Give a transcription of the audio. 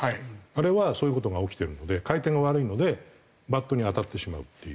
あれはそういう事が起きてるので回転が悪いのでバットに当たってしまうっていう。